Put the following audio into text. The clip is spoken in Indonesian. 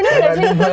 penting benar gak sih